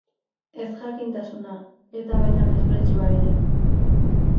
Ezjakintasuna, eta baita mespretxua ere.